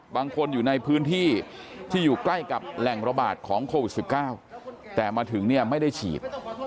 บางคนอยู่ในพื้นที่ที่อยู่ใกล้กับแหล่งระบาดของโควิด๑๙แต่มาถึงเนี่ยไม่ได้ฉีด